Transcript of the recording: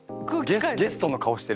ゲストの顔してる。